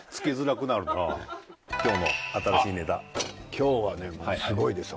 今日はねすごいですよ